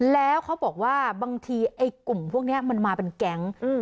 แล้วเขาบอกว่าบางทีไอ้กลุ่มพวกนี้มันมาเป็นแก๊ง